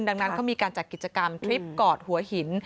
ดังนั้นเขามีการจัดกิจกรรมทริปกอดหัวหิน